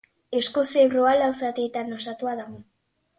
Eskuizkribua lau zatiz osatuta dago.